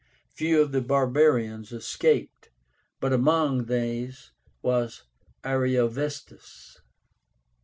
Few of the barbarians escaped, but among these was Ariovistus.